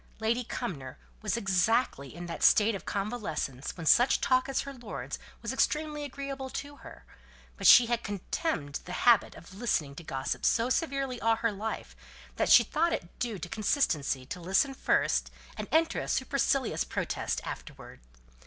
Lady Cumnor was exactly in that state of convalescence when such talk as her lord's was extremely agreeable to her, but she had contemned the habit of listening to gossip so severely all her life, that she thought it due to consistency to listen first, and enter a supercilious protest afterwards.